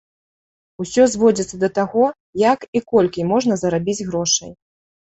Усё зводзіцца да таго, як і колькі можна зарабіць грошай.